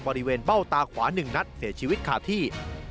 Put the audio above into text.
บริเวณเบ้าตาขวา๑นัดเสียชีวิตคาที่